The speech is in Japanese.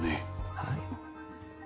はい。